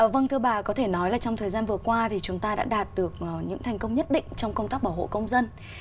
vâng thưa bà có thể nói là trong thời gian vừa qua thì chúng ta đã đạt được những thành công nhất định trong công tác bảo hộ công dân